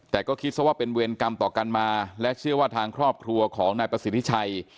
แต่ก็คิดซะว่าเป็นเวรกรรมต่อกันมาและเชื่อว่าทางครอบครัวของนายประสิทธิชัย